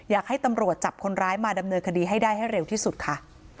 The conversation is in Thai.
อยากให้ตำรวจจับคนร้ายมาดำเนินคดีให้ได้ให้เร็วที่สุดค่ะ